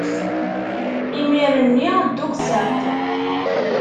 Imir-nni dduqseɣ-d!